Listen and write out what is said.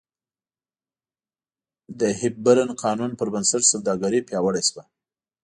د هیپبرن قانون پربنسټ سوداګري پیاوړې شوه.